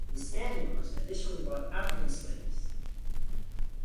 The Spaniards additionally brought African slaves.